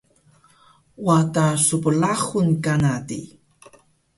wada sbrahun kana di